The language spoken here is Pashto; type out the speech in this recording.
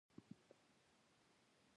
د پوهنتون ژوند د ابتکار هڅونه کوي.